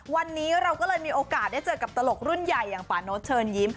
วันนี้เราก็เลยมีโอกาสได้เจอกับตลกรุ่นใหญ่อย่างป่าโน๊ตเชิญยิ้ม